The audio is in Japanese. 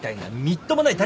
みっともない？